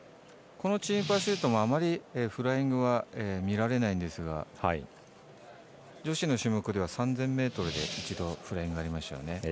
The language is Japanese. チームパシュートもあまりフライング見られないんですが女子の種目では３０００ｍで一度、不正になりましたよね。